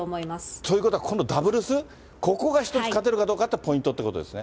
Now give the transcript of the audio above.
ということは今度はダブルス、ここが１つ、勝てるかどうかというのがポイントということですね。